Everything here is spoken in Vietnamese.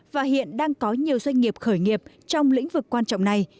và hiện đang có nhiều doanh nghiệp khởi nghiệp trong lĩnh vực quan trọng này